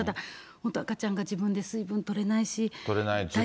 本当赤ちゃんが自分で水分をとれないし。